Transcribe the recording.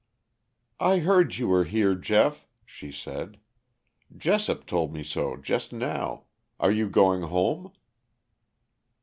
"I heard you were here, Geoff," she said. "Jessop told me so just now. Are you going home?"